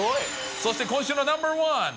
そして今週のナンバー１。